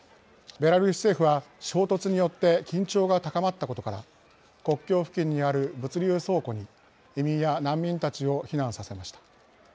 ベラルーシ政府は衝突によって緊張が高まったことから国境付近にある物流倉庫に移民や難民たちを避難させました。